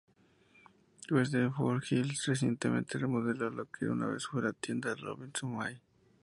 Westfield Fox Hills recientemente remodeló lo que una vez fue la tienda Robinsons-May.